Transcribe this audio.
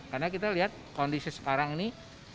karena kita lihat kondisi sekarang ini